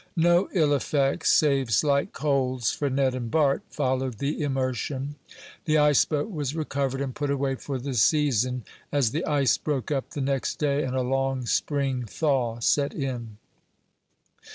No ill effects, save slight colds for Ned and Bart, followed the immersion. The ice boat was recovered and put away for the season, as the ice broke up the next day and a long spring thaw set in.